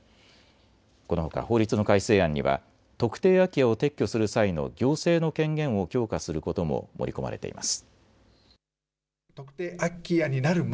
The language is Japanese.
このほか法律の改正案には特定空き家を撤去する際の行政の権限を強化することも盛り込まれています。